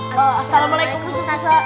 assalamualaikum ustaz musa